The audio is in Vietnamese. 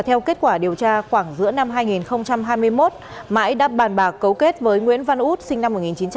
theo kết quả điều tra khoảng giữa năm hai nghìn hai mươi một mãi đã bàn bạc cấu kết với nguyễn văn út sinh năm một nghìn chín trăm tám mươi hai